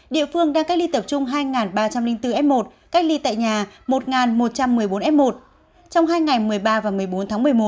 địa phương đang cách ly tập trung hai ba trăm linh bốn f một cách ly tại nhà một một trăm một mươi bốn f một trong hai ngày một mươi ba và một mươi bốn tháng một mươi một